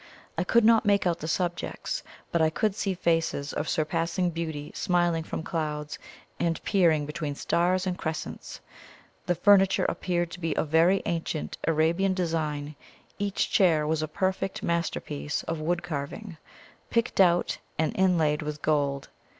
I could not make out the subjects, but I could see faces of surpassing beauty smiling from clouds, and peering between stars and crescents. The furniture appeared to be of very ancient Arabian design; each chair was a perfect masterpiece of wood carving, picked out and inlaid with gold.